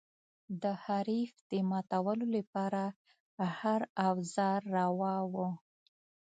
د حریف د ماتولو لپاره هر اوزار روا و.